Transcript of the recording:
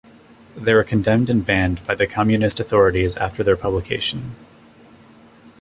They were condemned and banned by the Communist authorities after their publication.